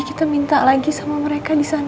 kita minta lagi sama mereka disana